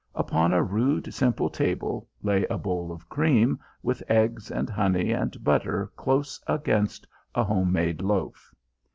Upon a rude, simple table lay a bowl of cream, with eggs and honey and butter close against a home made loaf.